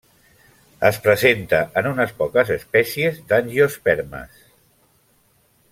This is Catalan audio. Es presenta en unes poques espècies d'angiospermes.